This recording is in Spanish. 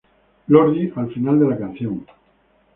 Lordi al final de la canción.